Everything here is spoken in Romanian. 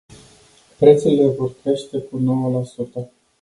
Prețurile vor crește cu nouă la sută.